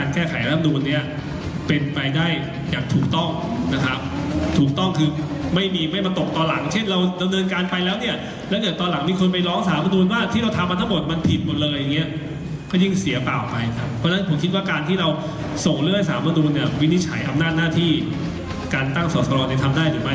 สนุนโดยทีโพเพี่ยวถูกอนามัยสะอาดใส่ไร้คราบ